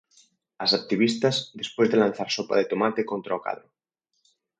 As activistas, despois de lanzar sopa de tomate contra o cadro.